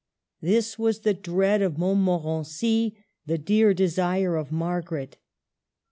This was the dread of Montmorency, the dear desire of Margaret.